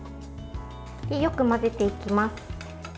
よく混ぜていきます。